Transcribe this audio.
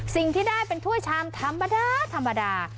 สิ่งที่ได้เป็นถ้วยชามธรรมดาธรรมดา